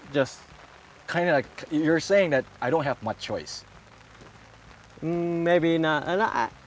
คุณต้องเป็นผู้งาน